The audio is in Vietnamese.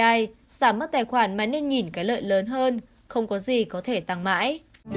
ai giảm mất tài khoản mà nên nhìn cái lợi lớn hơn không có gì có thể tăng mãi